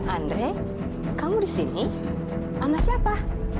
andre kamu disini sama siapa